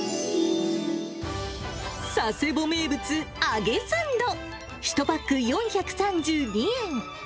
佐世保名物、揚げサンド、１パック４３２円。